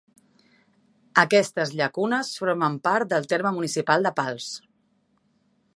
Aquestes llacunes formen part del terme municipal de Pals.